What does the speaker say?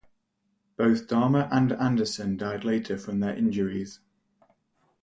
Both Dahmer and Anderson died later from their injuries.